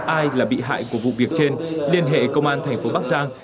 ai là bị hại của vụ việc trên liên hệ công an thành phố bắc giang